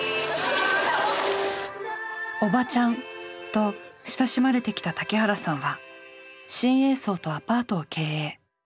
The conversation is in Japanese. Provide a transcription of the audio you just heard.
「おばちゃん」と親しまれてきた竹原さんは新栄荘とアパートを経営。